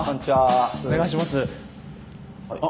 お願いします。